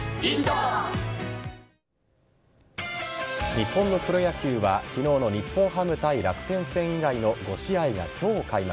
日本のプロ野球は昨日の日本ハム対楽天戦以外の５試合が今日開幕。